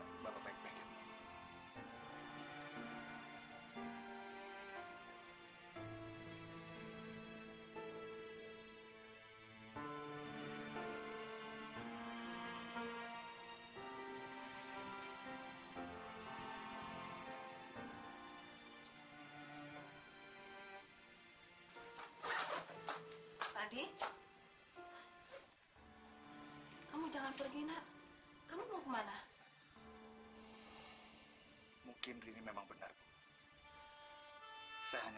sampai jumpa di video selanjutnya